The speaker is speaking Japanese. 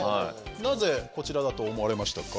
なぜこちらだと思われましたか？